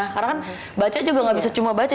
karena kan baca juga gak bisa cuma baca